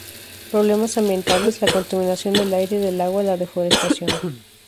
Problemas ambientales: la contaminación del aire y del agua, la deforestación.